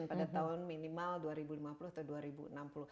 pada tahun minimal dua ribu lima puluh atau dua ribu enam puluh